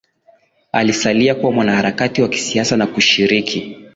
Alisalia kuwa mwanaharakati wa kisiasa na kushiriki